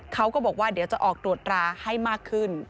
เขาก็บอกว่าเดี๋ยวจะออกตรวจราให้มากขึ้น